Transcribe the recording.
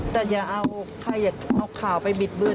เบิร์ดจะทำตัวแบบว่า